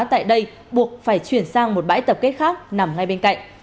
tại đây buộc phải chuyển sang một bãi tập kết khác nằm ngay bên cạnh